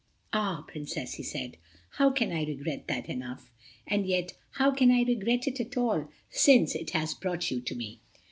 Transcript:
"Ah, Princess," he said, "how can I regret that enough? And yet how can I regret it at all since it has brought you to me."